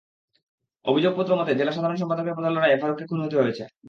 অভিযোগপত্র মতে, জেলা সাধারণ সম্পাদকের পদের লড়াইয়ে ফারুককে খুন হতে হয়েছে।